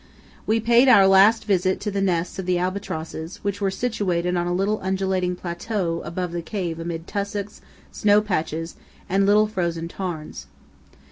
We paid our last visit to the nests of the albatrosses, which were situated on a little undulating plateau above the cave amid tussocks, snow patches, and little frozen tarns.